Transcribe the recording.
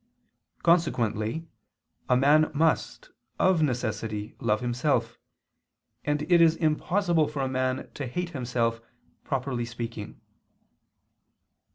Consequently, a man must, of necessity, love himself; and it is impossible for a man to hate himself, properly speaking.